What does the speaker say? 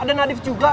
ada nadif juga